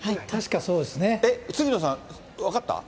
杉野さん、分かった？